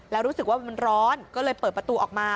แล้วรู้สึกว่ามันร้อนก็เลยเปิดประตูออกมา